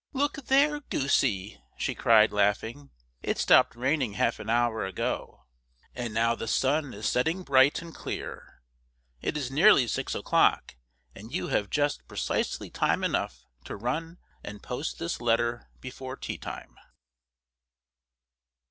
"Look there, goosey!" she cried, laughing. "It stopped raining half an hour ago, and now the sun is setting bright and clear. It is nearly six o'clock, and you have just precisely time enough to run and post this letter before tea time."